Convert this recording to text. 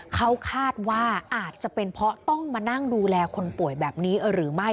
เขาคาดว่าอาจจะเป็นเพราะต้องมานั่งดูแลคนป่วยแบบนี้หรือไม่